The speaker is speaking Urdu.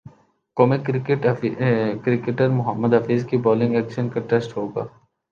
قومی کرکٹر محمد حفیظ کے بالنگ ایکشن کا ٹیسٹ ہو گا